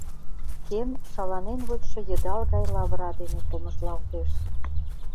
Кем шаланен вочшо йыдал гай лавыра дене комыжлалтеш.